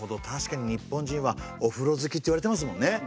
確かに日本人はお風呂好きって言われてますもんね。